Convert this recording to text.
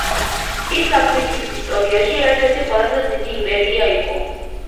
ის აფრიკის ისტორიაში ერთ-ერთი ყველაზე დიდი იმპერია იყო.